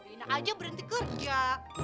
ina aja berhenti kerja